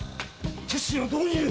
鉄心はどこにいる？